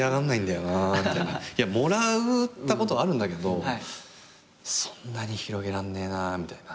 もらったことはあるんだけどそんなに広げらんねえなみたいな。